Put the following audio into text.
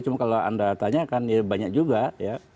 cuma kalau anda tanyakan ya banyak juga ya